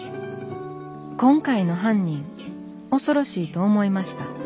「今回の犯人恐ろしいと思いました。